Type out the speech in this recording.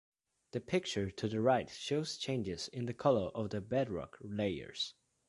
The picture to the right shows changes in the color of the bedrock layers.